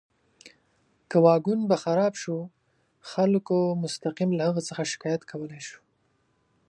که واګون به خراب شو، خلکو مستقیم له هغه څخه شکایت کولی شو.